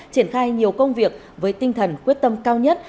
triển khai nhiều công việc với tinh thần quyết tâm cao nhất